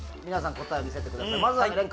皆さん答えを見せてください